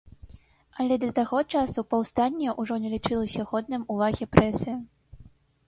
Але да таго часу паўстанне ўжо не лічылася годным увагі прэсы.